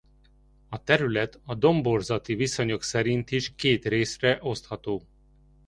A terület a domborzati viszonyok szerint is két részre osztható.